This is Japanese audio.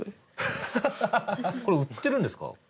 これ売ってるんですか？